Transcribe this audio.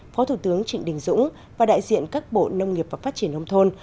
phó thủ tướng trịnh đình dũng và đại diện các bộ nông nghiệp và phát triển nông thôn